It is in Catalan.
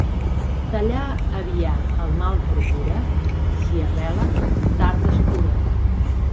Tallar aviat el mal procura, si arrela, tard es cura.